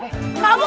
kamu ngajak ribut